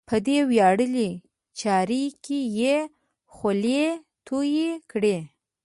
په دې ویاړلې چارې کې یې خولې تویې کړې.